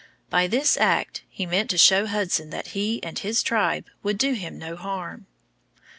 By this act he meant to show Hudson that he and his tribe would do him no harm.